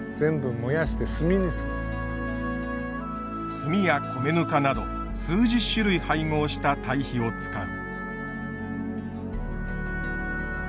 炭や米ぬかなど数十種類配合した堆肥を使う。